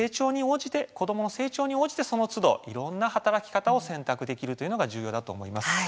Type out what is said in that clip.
子どもの成長に応じてそのつど、いろんな働き方を選択できることが重要だと思います。